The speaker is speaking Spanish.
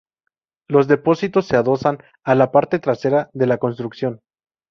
Los depósitos se adosan a la parte trasera de la construcción.